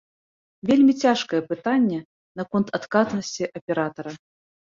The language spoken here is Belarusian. Вельмі цяжкае пытанне наконт адказнасці аператара.